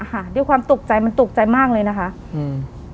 ค่ะด้วยความตกใจมันตกใจมากเลยนะคะอืม